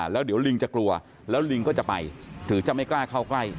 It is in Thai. แล้วเดี๋ยวลิงจะกลัวแล้วลิงก็จะไปหรือจะไม่กล้าเข้าใกล้